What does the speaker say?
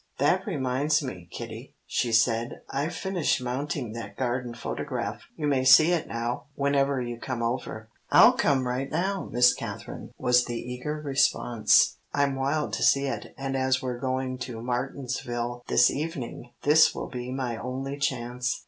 "That reminds me, Kitty," she said. "I've finished mounting that garden photograph. You may see it now, whenever you come over." "I'll come right now, Miss Katherine," was the eager response. "I'm wild to see it, and as we're going to Martinsville this evening this will be my only chance."